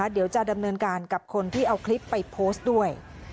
เดี๋ยวจะดำเนินการกับคนที่เอาคลิปไปโพสต์ด้วย